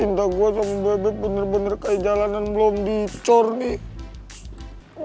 intaku sama bebek bener bener kayak jalanan belum dicor nih